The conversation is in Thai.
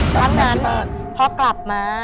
ครั้งนั้นพอกลับมา